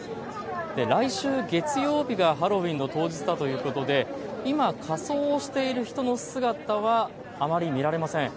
来週月曜日がハロウィーンの当日だということで今、仮装をしている人の姿はあまり見られません。